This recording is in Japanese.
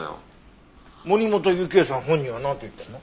森本雪絵さん本人はなんて言ってるの？